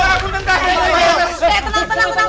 eh tenang tenang tenang